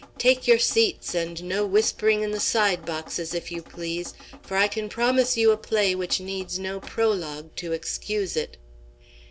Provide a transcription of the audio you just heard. "Take your seats, and no whispering in the side boxes, if you please. For I can promise you a play which needs no prologue to excuse it."